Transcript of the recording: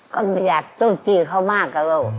ก็ไม่อยากตู้จี้เขามากแล้ว